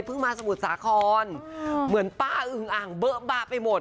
เสิริมมาสมุนสาขอนเหมือนป้าอึงอ่างเบ้อะบ้าไปหมด